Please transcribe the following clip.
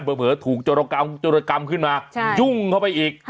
เผลอถูกจรกรรมขึ้นมายุ่งเข้าไปอีก